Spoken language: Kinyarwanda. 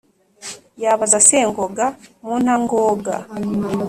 yabaza sengoga mu nta-ngoga.